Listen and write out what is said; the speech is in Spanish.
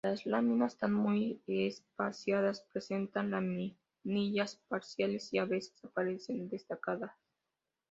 Las láminas, están muy espaciadas, presentan laminillas parciales y a veces aparecen dentadas.